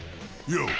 よう！